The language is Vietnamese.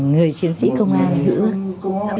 người chiến sĩ công an hữu ước